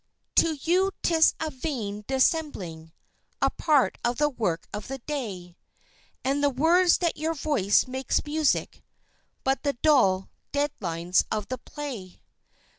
_" To you 'tis a vain dissembling a part of the work of the day, And the words that your voice makes music, but the dull, dead lines of the play.